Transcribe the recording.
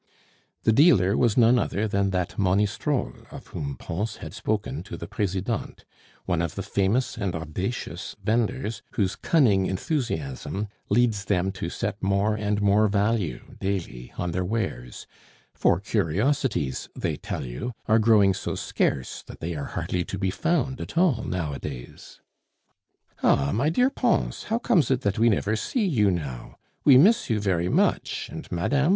The dealer was none other than that Monistrol of whom Pons had spoken to the Presidente, one of the famous and audacious vendors whose cunning enthusiasm leads them to set more and more value daily on their wares; for curiosities, they tell you, are growing so scarce that they are hardly to be found at all nowadays. "Ah, my dear Pons, how comes it that we never see you now? We miss you very much, and Mme.